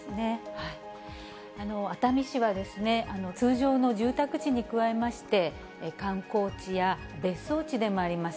熱海市は、通常の住宅地に加えまして、観光地や別荘地でもあります。